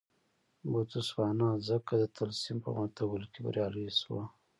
بوتسوانا ځکه د طلسم په ماتولو کې بریالۍ شوه.